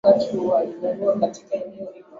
tunaona nchi zingine zina ma matatizo kama haya